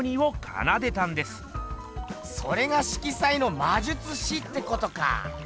それが色彩のまじゅつしってことか。